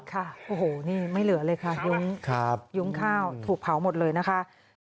ค่ะโอ้โหนี่ไม่เหลือเลยค่ะยุ้งยุ้งข้าวถูกเผาหมดเลยนะคะ